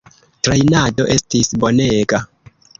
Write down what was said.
Trejnado estis bonega.